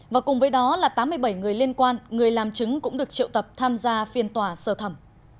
và cùng với đó là tám mươi bảy người liên quan người làm chứng cũng được triệu tập tham gia phiên tòa sơ thẩm